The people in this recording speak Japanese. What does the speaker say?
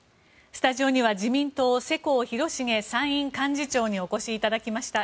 スタジオには自民党、世耕弘成参院幹事長にお越しいただきました。